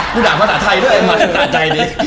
กูด่าภาษาไทยด้วยมาด่าใจดิ